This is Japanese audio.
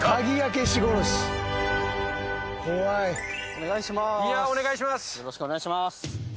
お願いします。